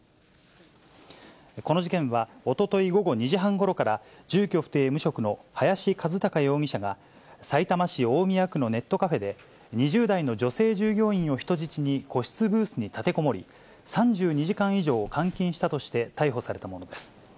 この事件は、おととい午後２時半ごろから、住居不定無職の林一貴容疑者が、さいたま市大宮区のネットカフェで、２０代の女性従業員を人質に個室ブースに立てこもり、３２時間以上監禁したとして逮捕されたものです。